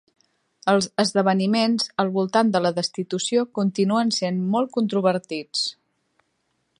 Els esdeveniments al voltant de la destitució continuen sent molt controvertits.